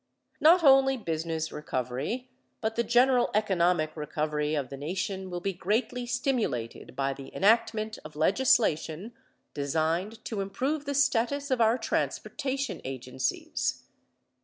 Not only business recovery, but the general economic recovery of the nation will be greatly stimulated by the enactment of legislation designed to improve the status of our transportation agencies.